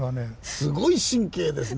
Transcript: すごい神経ですね